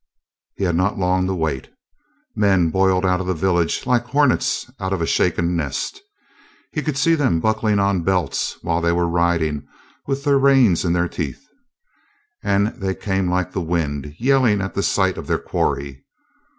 He had not long to wait. Men boiled out of the village like hornets out of a shaken nest. He could see them buckling on belts while they were riding with the reins in their teeth. And they came like the wind, yelling at the sight of their quarry.